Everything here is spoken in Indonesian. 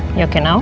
kamu oke sekarang